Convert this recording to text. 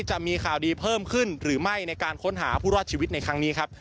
จะมีข่าวดีเพิ่มขึ้นหรือไม่ในการค้นหาผู้รอดชีวิตในครั้งนี้ครับ